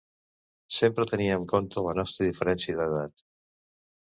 Sempre tenia en compte la nostra diferència d'edat.